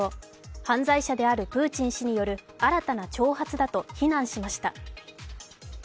犯罪者であるプーチン氏による新たな挑発だと非難しました。